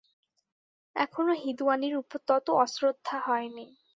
এখনো হিঁদুয়ানির উপর তত অশ্রদ্ধা হয় নি।